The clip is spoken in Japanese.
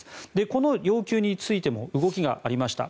この要求についても動きがありました。